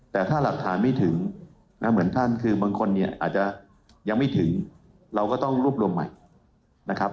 แต่ถ้าหลักฐานไม่ถึงเหมือนท่านคือบางคนเนี่ยอาจจะยังไม่ถึงเราก็ต้องรวบรวมใหม่นะครับ